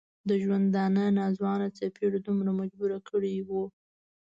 د ژوندانه ناځوانه څپېړو دومره مجبور کړی و.